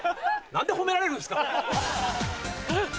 何で褒められるんすか。